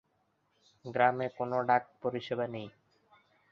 গ্রামে কোনো ডাক পরিষেবা নেই।